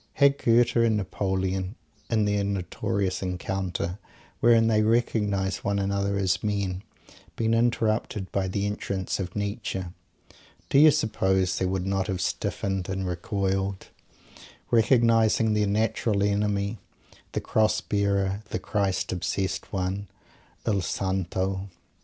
Had Goethe and Napoleon, in their notorious encounter, wherein they recognized one another as "Men," been interrupted by the entrance of Nietzsche, do you suppose they would not have both stiffened and recoiled, recognizing their natural Enemy, the Cross bearer, the Christ obsessed one, _"Il Santo"?